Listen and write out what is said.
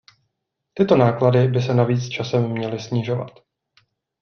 Tyto náklady by se navíc časem měly snižovat.